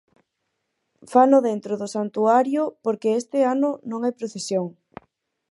Fano dentro do santuario porque este ano non hai procesión.